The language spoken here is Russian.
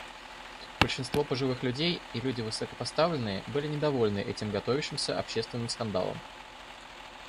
Большинство пожилых людей и люди высокопоставленные были недовольны этим готовящимся общественным скандалом.